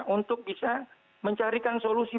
untuk bisa mencarikan solusi